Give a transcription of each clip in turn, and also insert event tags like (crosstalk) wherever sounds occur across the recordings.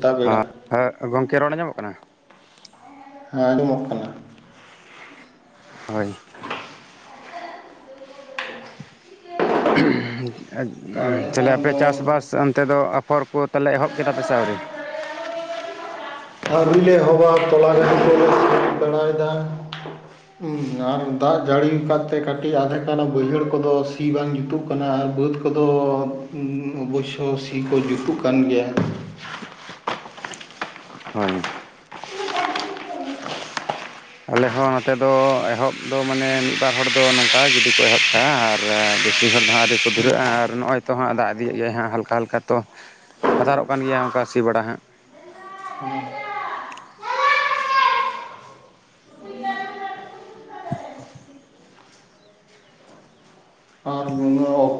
ᱥᱮᱛᱟᱜ ᱵᱮᱲᱟ ᱦᱮ ᱦᱮᱸ ᱜᱚᱝᱠᱮ ᱨᱚᱲ ᱧᱟᱢᱚᱜ ᱠᱟᱱᱟ ᱦᱮᱸ ᱟᱸᱡᱚᱢᱚᱜ ᱠᱟᱱᱟ ᱦᱳᱭ ᱛᱟᱦᱚᱞᱮ ᱪᱮᱞᱮ ᱠᱷᱟᱱ ᱟᱯᱮ ᱫᱚ ᱪᱟᱥᱵᱟᱥ ᱚᱱᱛᱮ ᱫᱚ ᱟᱯᱷᱚᱨ ᱠᱚ ᱛᱟᱦᱞᱮ ᱮᱦᱚᱵ ᱠᱮᱫᱟ ᱯᱮ ᱥᱮ ᱟᱹᱣᱨᱤ ᱟᱮᱨᱤᱞᱮ ᱮᱦᱚᱵᱟ ᱛᱚᱞᱟ ᱜᱟᱰᱤ ᱠᱚ ᱞᱮ ᱛᱩᱫ ᱵᱟᱲᱟᱭᱮᱫᱟ ᱟᱨ ᱫᱟᱜ ᱡᱟᱹᱲᱤᱠᱟᱫ ᱛᱮ ᱠᱟᱹᱴᱤᱡ ᱟᱫᱷᱮᱠ ᱦᱟᱱᱟ ᱵᱟᱹᱭᱦᱟᱹᱲ ᱠᱚᱫᱚ ᱥᱤ ᱵᱟᱝ ᱡᱩᱛᱩᱜ ᱠᱟᱱᱟ ᱵᱟᱹᱫᱽ ᱠᱚᱫᱚ ᱚᱵᱚᱥᱳ ᱥᱤ ᱠᱚ ᱡᱩᱛᱩᱜ ᱠᱟᱱ ᱜᱮᱭᱟ (inaudible) ᱦᱳᱭ ᱟᱞᱮᱦᱚ ᱱᱚᱛᱮ ᱫᱚ ᱮᱦᱚᱵ ᱫᱚ ᱢᱟᱱᱮ ᱢᱤᱫᱵᱟᱨ ᱦᱚᱲ ᱫᱚ ᱱᱚᱝᱠᱟ ᱜᱤᱰᱤ ᱠᱚ ᱮᱦᱚᱵ ᱠᱟᱜᱼᱟ ᱟᱨ ᱵᱮᱥᱤ ᱦᱚᱲ ᱫᱚ ᱦᱟᱸᱜ ᱟᱣᱨᱤ ᱠᱚ ᱫᱷᱩᱨᱟᱹᱜᱼᱟ ᱟᱨ ᱱᱚᱜᱼᱚᱭ ᱛᱚᱦᱟᱸᱜ ᱫᱟᱜ ᱤᱫᱤᱭᱮᱫ ᱜᱮᱭᱟᱭ ᱦᱟᱸᱜ ᱦᱟᱞᱠᱟ ᱦᱟᱞᱠᱟ ᱛᱚ ᱵᱟᱛᱟᱨᱚᱜ ᱠᱟᱱ ᱜᱮᱭᱟ ᱚᱱᱠᱟ ᱥᱤ ᱵᱟᱲᱟ ᱦᱟᱸᱜ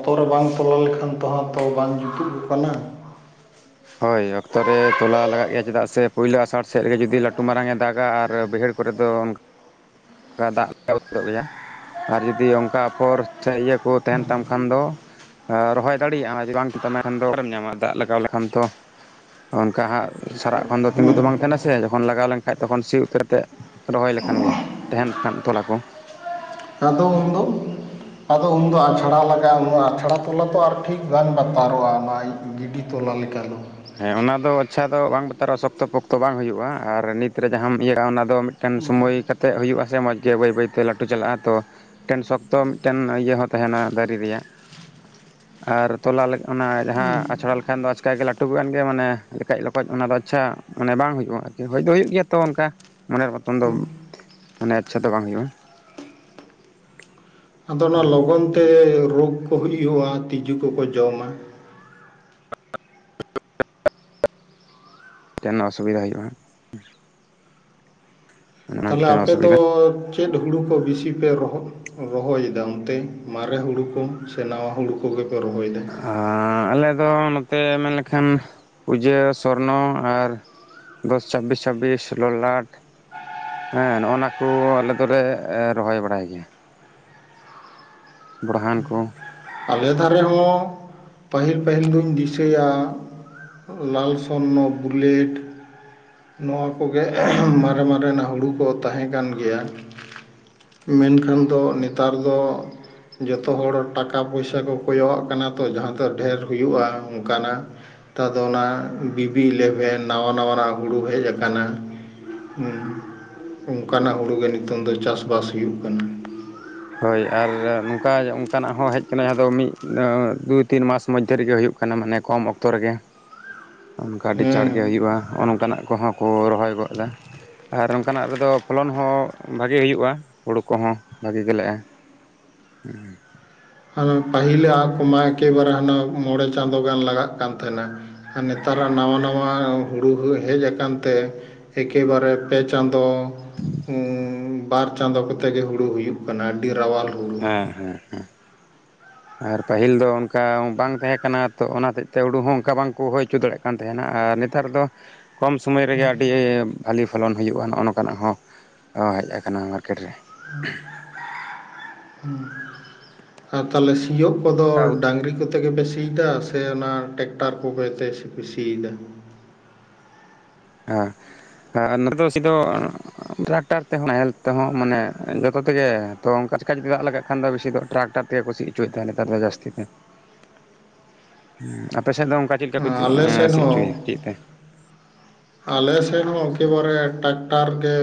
ᱛᱚᱨ ᱵᱟᱝ ᱛᱚᱞᱟ ᱞᱮᱠᱷᱟᱱ ᱛᱚᱦᱟᱸᱟ ᱛᱚᱞ ᱵᱟᱝ ᱡᱩᱛᱩᱜ ᱠᱟᱱᱟ ᱦᱳᱭ ᱚᱠᱛᱚ ᱨᱮ ᱛᱚᱞᱟ ᱞᱟᱜᱟᱜ ᱜᱮᱭᱟ ᱪᱮᱫᱟᱜ ᱥᱮ ᱯᱳᱭᱞᱳ ᱟᱥᱟᱲ ᱥᱮᱫ ᱨᱮ ᱜᱮ ᱡᱩᱫᱤ ᱞᱟᱹᱴᱩ ᱢᱟᱨᱟᱝ ᱮ ᱫᱟᱜᱟ ᱟᱨ ᱵᱟᱹᱭᱦᱟᱹᱲ ᱠᱚᱨᱮ ᱫᱚ ᱚᱱᱠᱟ ᱫᱟᱜ (unintelligible) ᱛᱟ ᱟᱛᱩ ᱜᱮᱭᱟ ᱟᱨ ᱡᱚᱫᱤ ᱚᱱᱠᱟ ᱟᱯᱷᱚᱨ ᱥᱮ ᱤᱭᱟᱹ ᱠᱚ ᱛᱟᱦᱮᱱ ᱛᱟᱢ ᱠᱷᱟᱱ ᱫᱚ ᱨᱚᱦᱚᱭ ᱫᱟᱲᱤᱭᱟᱜ-ᱟ ᱟᱨ ᱡᱩᱫᱤ ᱵᱟᱝ ᱟᱱᱟ ᱠᱷᱟᱱ ᱫᱚ ᱚᱠᱟ ᱨᱮᱢ ᱧᱟᱢᱟ ᱫᱟᱜ ᱞᱟᱜᱟᱣ ᱞᱮᱠᱷᱟᱱ ᱛᱚ ᱚᱱᱠᱟ ᱦᱟᱸᱜ ᱥᱟᱨᱟᱜ ᱠᱷᱚᱱ ᱫᱚ ᱛᱤᱸᱜᱩ ᱦᱮᱸ ᱫᱚ ᱵᱟᱝ ᱛᱟᱦᱮᱱᱟᱥᱮ ᱡᱚᱠᱷᱚᱱ ᱞᱟᱜᱟᱣ ᱞᱮᱱᱠᱷᱟᱱ ᱛᱚᱠᱷᱚᱱ ᱥᱤᱭᱩᱜ ᱠᱟᱛᱮᱫ ᱨᱚᱦᱚᱭ ᱞᱮᱠᱷᱟᱱ ᱜᱮ ᱛᱟᱦᱮᱱ ᱠᱷᱟᱱ ᱛᱚᱞᱟ ᱠᱚ ᱟᱫᱚ ᱩᱱᱫᱚ ᱟᱫᱚ ᱩᱱᱫᱚ ᱟᱪᱷᱟᱲᱟ ᱞᱟᱜᱟᱜᱼᱟ ᱟᱪᱷᱟᱲᱟ ᱛᱚᱞᱟ ᱛᱚ ᱟᱨ ᱴᱷᱤᱠ ᱵᱟᱝ ᱵᱟᱛᱟᱨᱚᱜᱼᱟ ᱱᱚᱣᱟ ᱜᱤᱰᱤ ᱛᱚᱞᱟ ᱚᱱᱟᱞᱟ ᱞᱮᱠᱟ ᱫᱚ (inaudible) ᱦᱮᱸ ᱚᱱᱟ ᱫᱚ ᱟᱪᱪᱷᱟ ᱫᱚ ᱵᱟᱝ ᱵᱟᱛᱟᱨᱚᱜᱼᱟ ᱥᱚᱠᱛᱚ ᱯᱚᱠᱛᱚ ᱵᱟᱝ ᱦᱩᱭᱩᱜᱼᱟ ᱟᱨ ᱱᱤᱛ ᱨᱮ ᱡᱟᱦᱟᱸᱟᱢ ᱤᱭᱟᱹᱜᱟ ᱚᱱᱟ ᱫᱚ ᱢᱤᱫᱴᱮᱱ ᱥᱳᱢᱳᱭ ᱠᱟᱛᱮ ᱦᱩᱭᱩᱜᱼᱟ ᱥᱮ ᱢᱚᱡᱽ ᱜᱮ ᱵᱟᱹᱭ ᱵᱟᱹᱭᱛᱮ ᱞᱟᱹᱴᱩ ᱪᱟᱞᱟᱜᱼᱟ ᱛᱚ ᱢᱤᱫᱴᱮᱱ ᱥᱚᱠᱛᱚ ᱢᱤᱫᱴᱮᱱ ᱤᱭᱟᱹ ᱦᱚᱸ ᱛᱟᱦᱮᱱᱟ ᱫᱟᱨᱮ ᱨᱮᱭᱟᱜ ᱟᱨ ᱛᱚᱞᱟ ᱚᱱᱟ ᱡᱟᱦᱟᱸ ᱟᱪᱷᱲᱟ ᱞᱮᱠᱷᱟᱱ ᱫᱚ ᱟᱪᱠᱟ ᱜᱮ ᱞᱟᱹᱴᱩ ᱛᱚᱵᱩ ᱟᱱ ᱜᱮ ᱢᱟᱱᱮ ᱞᱮᱠᱟᱭᱡ ᱞᱚᱠᱚᱭᱡ ᱚᱱᱟ ᱫᱚ ᱟᱪᱪᱷᱟ ᱢᱟᱱᱮ ᱵᱟᱝ ᱦᱩᱭᱩᱜᱼᱟ ᱦᱚᱭ ᱫᱚ ᱦᱩᱭᱩᱜ ᱜᱮᱭᱟ ᱛᱚ ᱚᱱᱠᱟ ᱢᱚᱱᱮ ᱦᱮᱸ ᱢᱟᱱᱮ ᱟᱪᱪᱷᱟ ᱫᱚ ᱵᱟᱝ ᱦᱩᱭᱩᱜᱼᱟ ᱟᱫᱚ ᱚᱱᱟ ᱞᱚᱜᱚᱱ ᱛᱮ ᱨᱳᱜᱽ ᱠᱚ ᱦᱩᱭᱩᱜᱼᱟ ᱛᱤᱸᱤᱡᱩ ᱠᱚᱠᱚ ᱡᱚᱢᱟ ᱢᱤᱫᱴᱟᱱᱟᱜ ᱚᱥᱩᱵᱤᱫᱷᱟ ᱦᱩᱭᱩᱜᱼᱟ ᱚᱱᱟ ᱛᱟᱦᱚᱞᱮ ᱢᱤᱫᱴᱮᱱ ᱟᱯᱮ ᱫᱚ ᱚᱥᱩᱵᱤᱫᱟ ᱪᱮᱫ ᱦᱩᱲᱩ ᱠᱚ ᱵᱤᱥᱤ ᱯᱮ ᱨᱚᱦ ᱨᱚᱦᱚᱭᱮᱫᱟ ᱚᱱᱛᱮ ᱢᱟᱨᱮ ᱦᱩᱲᱩ ᱠᱚ ᱥᱮ ᱱᱟᱣᱟ ᱦᱩᱲᱩ ᱠᱚᱜᱮ ᱨᱚᱦᱚᱭ ᱮᱫᱟ ᱛᱚ ᱱᱚᱛᱮ ᱢᱮᱱ ᱞᱮᱠᱷᱟᱱ ᱯᱩᱡᱟᱹ ᱥᱚᱨᱱᱚ ᱟᱨ ᱫᱚᱥ ᱪᱷᱟᱵᱵᱤᱥ ᱪᱷᱟᱵᱵᱤᱥ ᱞᱳᱞᱟᱴ ᱦᱮᱸ ᱱᱚᱜᱼ ᱱᱟ ᱠᱚ ᱟᱞᱮ ᱫᱚᱞᱮ ᱨᱚᱦᱚᱭ ᱵᱟᱲᱟᱭ ᱜᱮᱭᱟ ᱵᱚᱰᱦᱟᱱ ᱠᱚ ᱟᱞᱮ ᱫᱷᱟᱨᱮ ᱦᱚᱸ ᱯᱟᱹᱦᱤᱞ ᱯᱟᱹᱦᱤᱞ ᱫᱩᱧ ᱫᱤᱥᱟᱹᱭᱟ ᱞᱟᱞ ᱥᱚᱱᱱᱚ ᱵᱩᱞᱮᱴ ᱱᱚᱣᱟ ᱠᱚᱜᱮ ᱢᱟᱨᱮ ᱢᱟᱨᱮᱱᱟᱜ ᱦᱩᱲᱩ ᱠᱚ ᱛᱟᱦᱮᱸ ᱠᱟᱱ ᱜᱮᱭᱟ ᱢᱮᱱᱠᱷᱟᱱ ᱫᱚ ᱱᱮᱛᱟᱨ ᱫᱚ ᱡᱚᱛᱚ ᱦᱚᱲ ᱴᱟᱠᱟ ᱴᱟᱠᱟ ᱯᱚᱭᱥᱟ ᱠᱚ ᱠᱚᱭᱚᱜ ᱟᱜ ᱠᱟᱱᱟ ᱛᱚ ᱡᱟᱦᱟᱸ ᱫᱚ ᱰᱷᱮᱨ ᱦᱩᱭᱩᱜᱼᱟ ᱚᱱᱠᱟᱱᱟᱜ ᱱᱮᱛᱟᱨ ᱫᱚ ᱚᱱᱟ ᱵᱤᱵᱤ ᱤᱞᱮᱵᱷᱮᱱ ᱱᱟᱣᱟ ᱱᱟᱣᱟᱱᱟᱜ ᱦᱩᱲᱩ ᱦᱮᱡ ᱟᱠᱟᱱᱟ ᱦᱮ ᱚᱱᱠᱟᱱᱟᱜ ᱦᱩᱲᱩ ᱜᱮ ᱱᱤᱛᱚᱝ ᱫᱚ ᱪᱟᱥᱼᱵᱟᱥ ᱦᱩᱭᱩᱜ ᱠᱟᱱᱟ ᱦᱳᱭ ᱟᱨ ᱠᱟᱭ ᱚᱱᱠᱟᱱᱟᱜ ᱦᱚᱸ ᱦᱮᱡ ᱟᱠᱟᱱᱟᱭ ᱟᱫᱚᱭ ᱢᱤᱫ ᱫᱩ ᱛᱤᱱ ᱢᱟᱥ ᱢᱚᱫᱽᱫᱷᱮ ᱨᱮᱜᱮ ᱦᱩᱭᱩᱜ ᱠᱟᱱᱟ ᱢᱟᱱᱮ ᱠᱚᱢ ᱚᱠᱛᱚ ᱨᱮᱜᱮ ᱚᱱᱠᱟ ᱟᱹᱰᱤ ᱪᱟᱲ ᱜᱮ ᱦᱮᱸ ᱦᱩᱭᱩᱜᱼᱟ ᱱᱚᱜᱼ ᱱᱚᱝᱠᱟᱱᱟᱜ ᱠᱚᱦᱚᱸ ᱠᱚ ᱨᱚᱦᱚᱭ ᱜᱚᱫᱟ ᱟᱨ ᱚᱱᱠᱟᱱᱟᱜ ᱨᱮᱫᱚ ᱯᱷᱚᱞᱚᱱ ᱦᱚᱸ ᱵᱷᱟᱜᱤ ᱦᱩᱭᱩᱜᱼᱟ ᱦᱩᱲᱩ ᱠᱚᱦᱚᱸ ᱵᱷᱟᱜᱤᱼᱟ ᱵᱮᱞᱮᱜᱼᱟ ᱦᱚ ᱦᱮᱸ ᱯᱟᱹᱦᱤᱞ ᱟᱜ ᱠᱚᱢᱟ ᱮᱠᱮᱵᱟᱨᱮ ᱦᱟᱱᱟ ᱢᱚᱬᱮ ᱪᱟᱸᱫᱳ ᱜᱟᱱ ᱞᱟᱜᱟᱜ ᱠᱟᱱ ᱛᱟᱦᱮᱱᱟ ᱟᱨ ᱱᱮᱛᱟᱨᱟᱜ ᱱᱟᱣᱟ ᱱᱟᱣᱟ ᱦᱩᱲᱩ ᱦᱮᱡ ᱟᱠᱟᱱ ᱛᱮ ᱮᱠᱮᱵᱟᱨᱮ ᱯᱮ ᱪᱟᱸᱫᱳ ᱵᱟᱨ ᱪᱟᱸᱫᱳ ᱠᱚᱛᱮ ᱜᱮ ᱦᱩᱲᱩ ᱦᱩᱭᱩᱜ ᱠᱟᱱᱟ ᱟᱹᱰᱤ ᱨᱟᱣᱟᱞ ᱦᱩᱲᱩ ᱦᱮᱸ ᱦᱮᱸ (inaudible) ᱟᱨ ᱯᱟᱹᱦᱤᱞ ᱫᱚ ᱚᱱᱠᱟ ᱵᱟᱝ ᱛᱟᱦᱮᱸ ᱠᱟᱱᱟ ᱛᱚ ᱚᱱᱟ ᱦᱚᱛᱮᱜ ᱛᱮ ᱦᱩᱲᱩ ᱦᱚᱸ ᱚᱱᱠᱟ ᱵᱟᱝᱠᱚ ᱦᱩᱭ ᱦᱚᱪᱚ ᱫᱟᱲᱮᱭᱟᱜ ᱠᱟᱱ ᱛᱟᱦᱮᱱᱟ ᱟᱨ ᱟᱨ ᱱᱮᱛᱟᱨ ᱫᱚ ᱠᱚᱢ ᱥᱩᱚᱢᱚᱭ ᱨᱮᱜᱮ ᱟᱹᱰᱤ ᱵᱷᱟᱹᱞᱤ ᱯᱷᱚᱞᱚᱱ ᱦᱩᱭᱩᱜᱼᱟ ᱱᱚᱜᱼᱚ ᱱᱚᱝᱠᱟᱱᱟᱜ ᱦᱚᱸ ᱦᱮᱡ ᱟᱠᱟᱱᱟ ᱠᱮᱴᱨᱮ ᱟᱨ ᱛᱟᱦᱚᱸᱞᱮ ᱥᱤᱭᱳᱜ ᱠᱚᱫᱚ ᱰᱟᱝᱨᱤ ᱠᱚᱫᱚ ᱛᱮᱜᱮ ᱯᱮ ᱥᱤ ᱮᱫᱟ ᱥᱮ ᱚᱱᱟ ᱴᱨᱟᱠᱴᱟᱨ ᱠᱚᱜᱮ ᱛᱮ ᱥᱤᱭᱮᱫᱟ? ᱦᱮᱸ ᱟᱨ ᱱᱚᱰᱮ ᱫᱚ ᱥᱤ ᱫᱚ ᱴᱨᱟᱠᱴᱚᱨ ᱛᱮᱦᱚᱸ ᱱᱟᱦᱮᱞ ᱛᱮᱦᱚᱸ ᱢᱟᱱᱮ ᱡᱚᱛᱚ ᱛᱮᱜᱮ ᱛᱚ ᱚᱱᱠᱟ ᱪᱮᱠᱟ ᱡᱩᱫᱤ ᱫᱟᱜ ᱞᱟᱜᱟᱜ ᱠᱷᱟᱱ ᱫᱚ ᱵᱮᱥᱤ ᱫᱚ ᱴᱨᱟᱠᱴᱟᱨ ᱛᱮᱜᱮ ᱠᱚ ᱥᱤ ᱦᱚᱪᱚᱭᱮᱫ ᱛᱟᱭᱱᱟ ᱱᱮᱛᱟᱨ ᱫᱚ ᱡᱟᱹᱥᱛᱤ ᱟᱯᱮ ᱥᱮᱫ ᱫᱚ ᱚᱱᱠᱟ ᱪᱮᱫ ᱞᱮᱠᱟ ᱠᱚ ᱥᱤ ᱟᱞᱮ ᱥᱮᱱ ᱦᱚᱪᱚᱭᱟ ᱦᱚᱸ ᱪᱮᱫ ᱛᱮ? ᱟᱞᱮ ᱥᱮᱫ ᱦᱚᱸ ᱮᱠᱮᱵᱟᱨᱮ ᱴᱨᱟᱠᱴᱟᱨ ᱜᱮ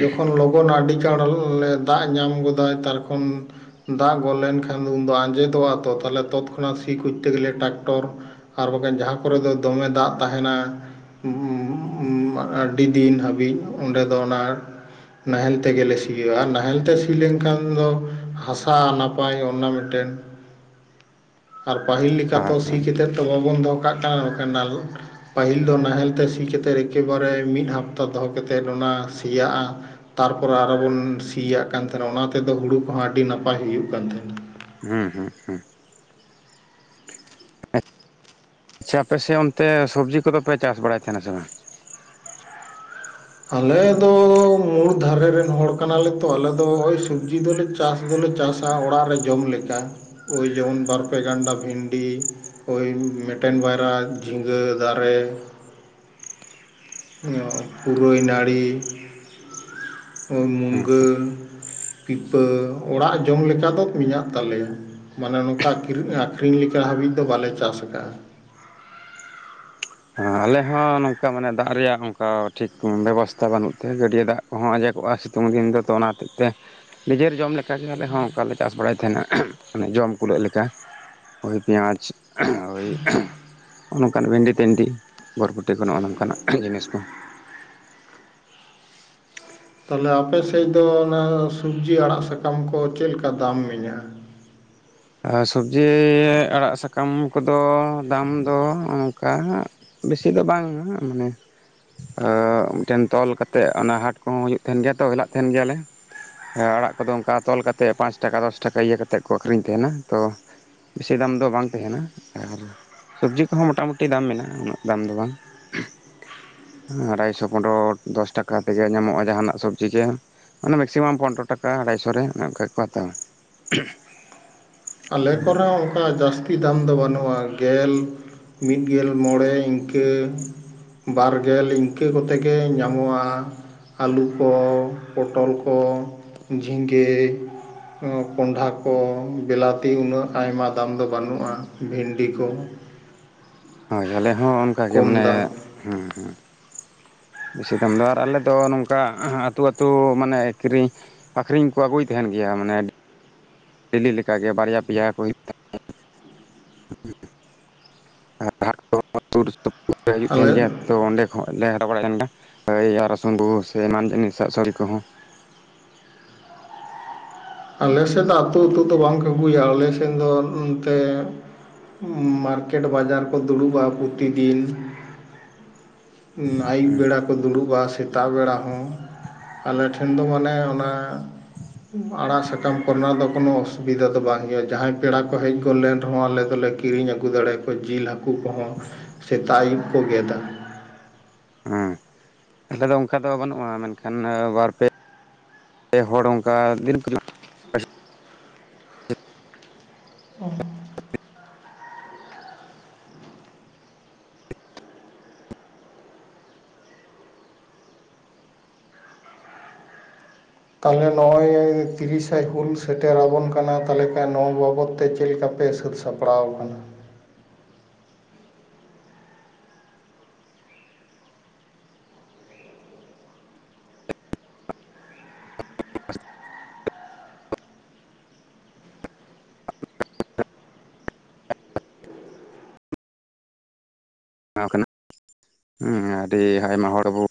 ᱡᱚᱠᱷᱚᱱ ᱞᱚᱜᱚᱱ ᱟᱹᱰᱤ ᱪᱟᱬ ᱫᱟᱜ ᱧᱟᱢ ᱜᱚᱫᱟᱭ ᱛᱟᱨᱠᱷᱚᱱ ᱫᱟᱜ ᱜᱚᱫ ᱞᱮᱱᱠᱷᱟᱱ ᱫᱚ ᱩᱱᱫᱚ ᱟᱸᱡᱮᱫᱚᱜᱼᱟ ᱛᱚ (unintelligible) ᱠᱷᱚᱱᱟᱜ ᱥᱤ ᱠᱚᱡᱛᱮ ᱜᱮᱞᱮ ᱴᱨᱟᱠᱴᱚᱨ ᱟᱨ ᱵᱟᱝᱠᱷᱟᱱ ᱡᱟᱦᱟᱸ ᱠᱚᱨᱮ ᱫᱚ ᱫᱚᱢᱮ ᱫᱟᱜ ᱛᱟᱦᱮᱱᱟ ᱟᱹᱰᱤ ᱫᱤᱱ ᱦᱟᱹᱵᱤᱡ ᱚᱸᱰᱮ ᱫᱚ ᱚᱱᱟ ᱱᱟᱦᱮᱞ ᱛᱮᱜᱮᱞᱮ ᱥᱤᱭᱳᱼᱟ ᱱᱟᱦᱮᱞ ᱛᱮ ᱥᱤ ᱞᱮᱱᱠᱷᱟᱱ ᱫᱚ ᱦᱟᱥᱟ ᱱᱟᱯᱟᱭ ᱚᱱᱟ ᱢᱤᱫᱴᱮᱱ (unintelligible) (inaudible) ᱟᱨ ᱯᱟᱹᱦᱤᱞ ᱞᱮᱠᱟ ᱛᱚ ᱦᱮᱸ ᱥᱤ ᱠᱟᱛᱮᱫ ᱫᱚ ᱵᱟᱵᱚᱱ ᱫᱚᱦᱚ (unintelligible) ᱯᱟᱹᱦᱤᱞ ᱫᱚ ᱱᱟᱦᱮᱞ ᱛᱮ ᱥᱤ ᱠᱟ ᱠᱟᱛᱮ ᱮᱠᱮᱵᱟᱨᱮ ᱢᱤᱫ ᱦᱟᱯᱛᱟ ᱫᱚᱦᱚ ᱠᱟᱛᱮ ᱚᱱᱟ ᱥᱮᱭᱟᱜᱼᱟ ᱛᱟᱨᱯᱚᱨᱮ ᱟᱨᱚ ᱵᱚᱱ ᱥᱤᱭᱟᱜ ᱠᱟᱱ ᱛᱟᱦᱮᱱᱟ ᱚᱱᱟ ᱛᱮᱫᱚ ᱦᱩᱲᱩ ᱠᱚᱦᱚᱸ ᱟᱹᱰᱤ ᱱᱟᱯᱟᱭ ᱦᱩᱭᱩᱜᱼᱟ ᱦᱩᱭᱩᱜ ᱠᱟᱱ ᱛᱟᱦᱮᱱᱟ᱾ (unintelligible) ᱟᱪᱪᱷᱟ ᱟᱯᱮ ᱥᱮᱫ ᱚᱱᱛᱮ ᱥᱚᱵᱡᱤ ᱠᱚᱫᱚᱯᱮ ᱪᱟᱥ ᱵᱟᱲᱟᱭ ᱛᱟᱦᱮᱱᱟ ᱥᱮ ᱵᱟᱝ? ᱟᱞᱮ ᱫᱚ ᱢᱩᱲ ᱫᱷᱟᱨᱮ ᱨᱮᱱ ᱦᱚᱲ ᱠᱟᱱᱟ ᱞᱮ ᱛᱚ ᱟᱞᱮ ᱫᱚ ᱥᱚᱵᱡᱤ ᱫᱚᱞᱮ ᱪᱟᱥᱮ ᱞᱮ ᱪᱟᱥᱟ ᱚᱲᱟᱜ ᱨᱮ ᱡᱚᱢ ᱞᱮᱠᱟ ᱳᱭ ᱡᱮᱢᱚᱱ ᱵᱟᱨᱯᱮ ᱜᱟᱱᱰᱟ ᱵᱷᱤᱱᱰᱤ ᱳᱭ ᱢᱮᱴᱮᱱ ᱵᱟᱨᱟ ᱡᱷᱤᱸᱜᱟᱹ ᱫᱟᱨᱮ (inaudible) ᱯᱩᱨᱟᱹᱭ ᱱᱟᱹᱲᱤ ᱦᱮᱸ ᱢᱩᱱᱜᱟᱹ ᱯᱤᱯᱟᱹ ᱚᱲᱟᱜ ᱡᱚᱢ ᱞᱮᱠᱟ ᱫᱚ ᱢᱮᱱᱟᱜ ᱛᱟᱞᱮᱭᱟ᱾ ᱢᱟᱱᱮ ᱱᱚᱝᱠᱟ ᱟᱠᱷᱨᱤᱧ ᱞᱮᱠᱟ ᱦᱟᱹᱵᱤᱡ ᱫᱚ ᱵᱟᱞᱮ ᱪᱟᱥ ᱟᱠᱟᱫᱟ᱾ (inaudible) ᱟᱞᱮ ᱦᱚᱸ ᱱᱚᱝᱠᱟ ᱢᱟᱱᱮ ᱫᱟᱜ ᱨᱮᱭᱟᱜ ᱚᱱᱠᱟ ᱴᱷᱤᱠ ᱵᱮᱵᱚᱥᱛᱟ ᱵᱟᱹᱱᱩᱜ ᱛᱮ ᱜᱟᱹᱰᱭᱟᱹ ᱫᱟᱜ ᱠᱚᱦᱚᱸ ᱟᱸᱡᱚᱜᱼᱟ᱾ ᱥᱤᱛᱩᱝ ᱫᱤᱱ ᱫᱚ ᱛᱚ ᱚᱱᱟ ᱦᱚᱛᱮᱡ ᱛᱮ ᱱᱤᱡᱮᱨ ᱡᱚᱢ ᱞᱮᱠᱟ ᱜᱮ ᱟᱞᱮ ᱦᱚ ᱚᱱᱠᱟᱞᱮ ᱪᱟᱥ ᱵᱟᱲᱟᱭ ᱛᱟᱦᱮᱱᱟ ᱢᱟᱱᱮ ᱡᱚᱢ ᱠᱩᱞᱟᱹᱜ ᱞᱮᱠᱟ ᱳᱭ ᱯᱮᱸᱭᱟᱡᱽ ᱳᱭ ᱱᱚᱝᱠᱟᱱ ᱵᱷᱮᱱᱰᱤ ᱛᱮᱱᱰᱤ ᱵᱚᱨᱵᱚᱴᱤ ᱠᱚ ᱱᱚᱜᱼᱚ ᱱᱚᱝᱠᱟᱱᱟᱜ ᱡᱤᱱᱤᱥ ᱠᱚ ᱛᱟᱦᱞᱮ ᱟᱯᱮ ᱥᱮᱫ ᱫᱚ ᱚᱱᱟ ᱥᱚᱵᱡᱤ ᱟᱲᱟᱜ ᱥᱟᱠᱟᱢ ᱠᱚ ᱪᱮᱫ ᱞᱮᱠᱟ ᱫᱟᱢ ᱢᱮᱱᱟᱜᱼᱟ? (inaudible) ᱟ ᱥᱚᱵᱡᱤ ᱟᱲᱟᱜ ᱥᱟᱠᱟᱢ ᱠᱚᱫᱚ ᱫᱟᱢ ᱫᱚ ᱚᱱᱠᱟ ᱪᱮᱫ ᱦᱚᱸ ᱵᱟᱝ ᱢᱟᱱᱮ ᱟ ᱢᱤᱫᱴᱷᱮᱱ ᱛᱚᱞ ᱠᱟᱛᱮᱫ ᱚᱱᱟ ᱦᱟᱴ ᱠᱚᱦᱚᱸ ᱦᱩᱭᱩᱜ ᱛᱟᱦᱮᱱ ᱜᱮᱭᱟ ᱛᱚ ᱦᱮᱞᱟᱜ ᱛᱟᱦᱮᱱ ᱜᱮᱭᱟᱞᱮ᱾ ᱟ ᱟᱲᱟᱜ ᱠᱚᱫᱚ ᱚᱱᱠᱟ ᱛᱚᱞ ᱠᱟᱛᱮᱜ ᱯᱟᱸᱪ ᱴᱟᱠᱟ ᱫᱚᱥ ᱴᱟᱠᱟ ᱤᱭᱟᱹ ᱠᱟᱛᱮᱜ ᱠᱚ ᱟᱠᱷᱨᱤᱧ ᱛᱟᱸᱦᱮᱱᱟ᱾ ᱛᱚ ᱵᱮᱥᱤ ᱫᱟᱢ ᱫᱚ ᱵᱟᱝ ᱛᱟᱦᱮᱱᱟ ᱟᱨ ᱥᱚᱵᱡᱤ ᱠᱚᱦᱚᱸ ᱢᱚᱴᱟᱢᱩᱴᱤ ᱫᱟᱢ ᱢᱮᱱᱟᱜᱼᱟ᱾ ᱩᱱᱟᱹᱜ ᱫᱟᱢ ᱫᱚ ᱵᱟᱝ᱾ ᱟᱲᱟᱭᱥᱚ ᱯᱚᱱᱰᱨᱚ ᱫᱚᱥ ᱴᱟᱠᱟ ᱛᱮᱜᱮ ᱧᱟᱢᱚᱜᱼᱟ ᱡᱟᱦᱟᱱᱟᱜ ᱥᱚᱵᱡᱤ ᱪᱮᱫ? ᱚᱱᱟ ᱢᱮᱠᱥᱤᱢᱟᱢ ᱯᱚᱱᱰᱨᱚ ᱴᱟᱠᱟ ᱟᱲᱟᱭᱥᱚ ᱨᱮ ᱚᱱᱮ ᱚᱱᱠᱟ ᱜᱮᱠᱚ ᱦᱟᱛᱟᱣᱟ᱾ ᱟᱞᱮ ᱠᱚᱨᱮ ᱚᱱᱠᱟ ᱡᱟᱹᱥᱛᱤ ᱫᱟᱢ ᱫᱚ ᱵᱟᱹᱱᱩᱜᱼᱟ᱾ ᱜᱮᱞ ᱢᱤᱫ ᱜᱮᱞ ᱢᱚᱬᱮ ᱤᱱᱠᱟᱹ ᱵᱟᱨ ᱜᱮᱞ ᱤᱱᱠᱟᱹ ᱠᱚᱛᱮ ᱜᱮ ᱧᱟᱢᱚᱜᱼᱟ᱾ ᱟᱹᱞᱩ ᱠᱚ ᱯᱚᱴᱚᱞ ᱠᱚ ᱡᱷᱤᱸᱜᱟᱹ᱾ ᱠᱚᱱᱰᱷᱟ ᱠᱚ ᱵᱮᱞᱟᱛ ᱛᱤ ᱩᱱᱟᱹᱜ ᱟᱭᱢᱟ ᱫᱟᱢ ᱫᱚ ᱵᱟᱹᱱᱩᱜᱼᱟ ᱵᱷᱤᱱᱰᱤ ᱠᱚ᱾ ᱦᱚᱭ ᱟᱞᱮ ᱦᱚᱸ ᱚᱱᱠᱟᱜᱮ ᱠᱚᱢ ᱢᱟᱱᱮ ᱫᱟᱢ ᱦᱩᱸ ᱦᱩᱸ᱾ ᱵᱮᱥᱤ ᱫᱟᱢ ᱫᱚ ᱟᱨ ᱟᱞᱮᱫᱚ ᱱᱚᱝᱠᱟ ᱟᱹᱛᱩ-ᱟᱹᱛᱩ ᱢᱟᱱᱮ ᱠᱤᱨᱤ ᱟᱠᱷᱨᱤᱧ ᱠᱚ ᱟᱹᱜᱩᱭ ᱛᱟᱦᱮᱱ᱾ (unintelligible) ᱰᱮᱞᱤ ᱞᱮᱠᱟᱜᱮ ᱵᱟᱨᱭᱟ ᱯᱮᱭᱟ ᱠᱚ (unintelligible) (inaudible) (unintelligible) ᱦᱤᱡᱩᱜ ᱛᱟᱦᱮᱱ ᱟᱞᱮ ᱜᱮᱭᱟ ᱛᱚ ᱚᱸᱰᱮ ᱠᱷᱚᱱ ᱞᱮ ᱦᱟᱛᱟᱣ ᱵᱟᱲᱟᱜ ᱠᱟᱱ ᱜᱮᱭᱟ᱾ (unintelligible) ᱟᱞᱮ ᱥᱮᱫᱟᱜ ᱟᱹᱛᱩ-ᱟᱹᱛᱩ ᱫᱚ ᱵᱟᱝ ᱠᱚ ᱟᱹᱜᱩᱭᱟ᱾ ᱟᱞᱮ ᱥᱮᱫ ᱫᱚ ᱮᱚᱱᱛᱮ ᱢᱟᱨᱠᱮᱴ ᱵᱟᱡᱟᱨ ᱠᱚ ᱫᱩᱲᱩᱵᱼᱟ ᱯᱨᱚᱛᱤᱫᱤᱱ᱾ (inaudible) ᱩᱸ ᱱᱟᱹᱭᱩᱵ ᱦᱩᱸ ᱵᱮᱲᱟ ᱠᱚ ᱫᱩᱲᱩᱵᱼᱟ ᱥᱮᱛᱟᱜ ᱵᱮᱲᱟ ᱦᱚᱸ ᱟᱞᱮ (unintelligible) ᱴᱷᱮᱱ ᱫᱚ ᱢᱟᱱᱮ ᱚᱱᱟ ᱟᱲᱟᱜ ᱥᱟᱠᱟᱢ ᱠᱚᱨᱮᱱᱟᱜ ᱫᱚ ᱠᱳᱱᱳ ᱚᱥᱩᱵᱤᱫᱷᱟ ᱫᱚ ᱵᱟᱝ ᱦᱩᱭᱩᱜᱼᱟ, ᱡᱟᱦᱟᱸᱭ ᱯᱮᱲᱟ ᱠᱚ ᱦᱮᱡ ᱜᱚᱫ ᱞᱮᱱ ᱨᱮᱦᱚᱸ ᱟᱞᱮ ᱫᱚᱞᱮ ᱠᱤᱨᱤᱧ ᱟᱹᱜᱩ ᱫᱟᱲᱮ ᱠᱚᱣᱟ ᱡᱤᱞ ᱦᱟᱹᱠᱩ ᱠᱚᱦᱚᱸ ᱥᱮᱛᱟᱜ-ᱟᱹᱭᱩᱵ ᱠᱚ ᱜᱮᱫᱟ᱾ ᱦᱩᱸ᱾ ᱱᱮᱛᱟᱨ ᱫᱚ ᱚᱱᱠᱟ ᱫᱚ ᱵᱟᱹᱱᱩᱜᱼᱟ ᱢᱮᱱᱠᱷᱟᱱ ᱵᱟᱨ ᱯᱮ ᱯᱮ ᱦᱚᱲ ᱚᱱᱠᱟ (unintelligible) ᱠᱷᱚᱱᱟᱜ ᱩᱸᱦ (inaudible) ᱛᱟᱦᱚᱞᱮ ᱱᱚᱜ-ᱚᱭ ᱛᱤᱨᱤᱥᱮ ᱦᱩᱞ ᱥᱮᱴᱮᱨᱟᱵᱚᱱ ᱠᱟᱱᱟ ᱛᱟᱦᱞᱮ ᱠᱷᱟᱱ ᱱᱚᱣᱟ ᱵᱟᱵᱚᱫ ᱛᱮ ᱪᱮᱫᱮᱠᱟ ᱯᱮ ᱥᱟᱹᱛ ᱥᱟᱯᱲᱟᱣ ᱟᱠᱟᱱᱟ᱾ (inaudible) (inaudible) ᱱᱚᱶᱟ ᱚᱠᱟ ᱨᱮᱱᱟᱜ? ᱦᱩᱸ ᱟᱹᱰᱤ ᱟᱭᱢᱟ ᱦᱚᱲ ᱵᱚ